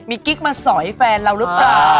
มีกิ๊กมาสอยแฟนเราหรือเปล่า